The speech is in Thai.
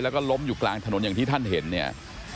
แล้วก็ล้มอยู่กลางถนนอย่างที่ท่านเห็นเนี่ย